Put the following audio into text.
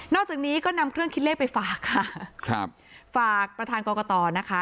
จากนี้ก็นำเครื่องคิดเลขไปฝากค่ะครับฝากประธานกรกตนะคะ